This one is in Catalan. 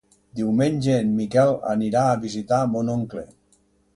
Diumenge en Miquel anirà a visitar mon oncle.